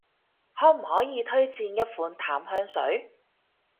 可唔可以推薦一款淡香水？